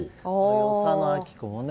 与謝野晶子もね